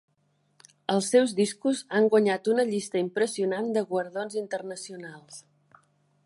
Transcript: Els seus discos han guanyat una llista impressionant de guardons internacionals.